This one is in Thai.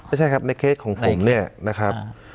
ไม่ใช่ครับในเคสของผมเนี่ยนะครับ